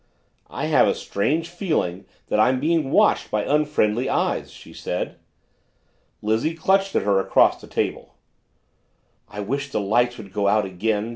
"I have a strange feeling that I'm being watched by unfriendly eyes," she said. Lizzie clutched at her across the table. "I wish the lights would go out again!"